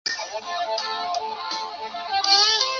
这是一份穆罗姆统治者的列表。